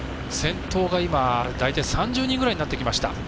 先頭が大体３０人ぐらいになってきました。